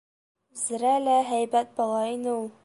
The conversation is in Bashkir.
Зерә лә һәйбәт бала ине ул...